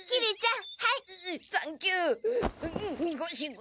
ん？